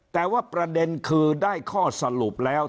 แต่ว่าประเด็นคือได้ข้อสรุปแล้ว